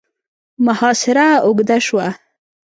محاصره اوږده شوه.